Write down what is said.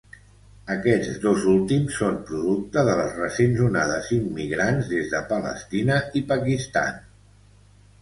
Aquests dos últims són producte de les recents onades immigrants des de Palestina i Pakistan.